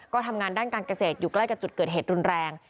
ก็ทำงานด้านการเกษตรอยู่ใกล้กับจุดเกิดเหตุรุนแรง